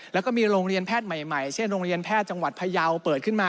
แล้วก็มีโรงเรียนแพทย์ใหม่เช่นโรงเรียนแพทย์จังหวัดพยาวเปิดขึ้นมา